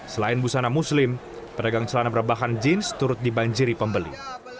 selain busana muslim pedagang celana berbahan jeans turut dibanjiri pembeli